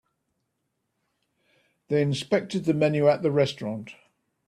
They inspected the menu at the restaurant.